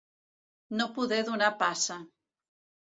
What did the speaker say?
No poder donar passa.